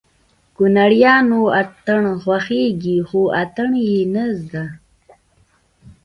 د کونړيانو اتڼ خوښېږي خو اتڼ يې نه زده